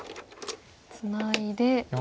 ツナいで。